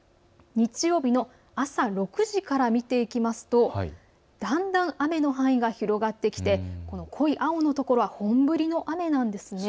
日曜日の朝６時から見ていきますとだんだん雨の範囲が広がってきて濃い青の所は本降りの雨なんです。